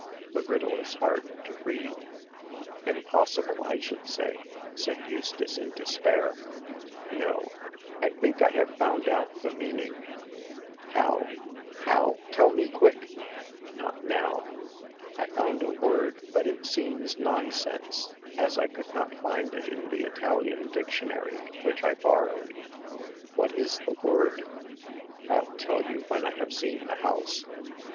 The riddle is hard to read." 54 Hagar of the Pawn Shop. Impossible, I should say," said Eustace, in despair. " No ; I think I have found out the meaning." " How ? how ? Tell me quick I "" Not now. I found a word, but it seems non sense, as I could not find it in the Italian diction ary which I borrowed/' " What is the word ?"" rU tell you w^hen I have seen the house."